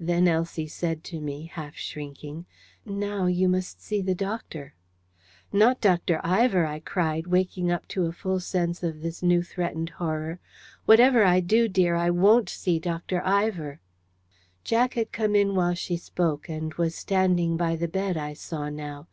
Then Elsie said to me, half shrinking: "Now you must see the doctor." "Not Dr. Ivor!" I cried, waking up to a full sense of this new threatened horror. "Whatever I do, dear, I WON'T see Dr. Ivor!" Jack had come in while she spoke, and was standing by the bed, I saw now.